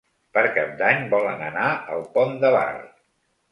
Per Cap d'Any volen anar al Pont de Bar.